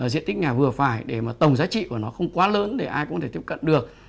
diện tích nhà vừa phải để mà tổng giá trị của nó không quá lớn để ai cũng có thể tiếp cận được